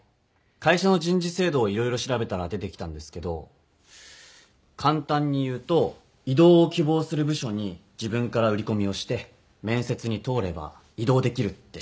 会社の人事制度を色々調べたら出てきたんですけど簡単に言うと異動を希望する部署に自分から売り込みをして面接に通れば異動できるって仕組みみたいで。